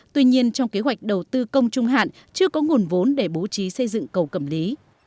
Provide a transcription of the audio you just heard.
tuy nhiên trong kế hoạch đầu tư công trung hạn chưa có nguồn vốn để bố trí xây dựng cầu cẩm lý